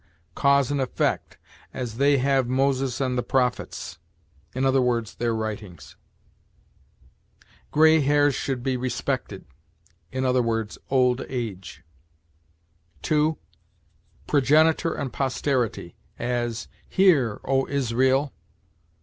Cause and effect; as,'They have Moses and the prophets,' i. e., their writings; 'Gray hairs should be respected,' i. e., old age. 2. Progenitor and posterity; as, 'Hear, O Israel!'